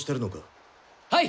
はい！